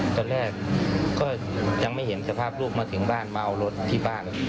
ตอนแรกก็ยังไม่เห็นสภาพลูกมาถึงบ้านมาเอารถที่บ้าน